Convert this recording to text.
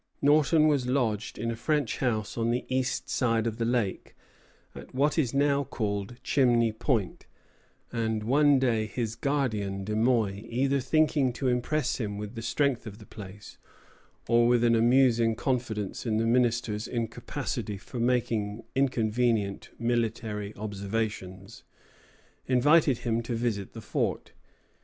Norton was lodged in a French house on the east side of the lake, at what is now called Chimney Point; and one day his guardian, De Muy, either thinking to impress him with the strength of the place, or with an amusing confidence in the minister's incapacity for making inconvenient military observations, invited him to visit the fort.